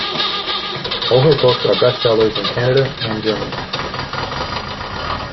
All her books are bestsellers in Canada and Germany.